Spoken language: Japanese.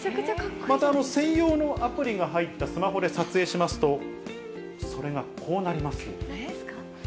また専用のアプリが入ったスマホで撮影しますと、それがこうなります。